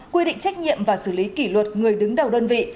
quy định trách nhiệm và xử lý kỷ luật người đứng đầu đơn vị